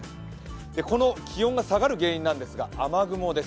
この気温が下がる原因なんですが、雨雲です。